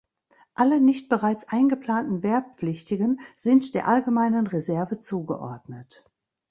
Alle nicht bereits eingeplanten Wehrpflichtigen sind der Allgemeinen Reserve zugeordnet.